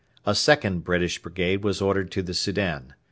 A second British brigade was ordered to the Soudan.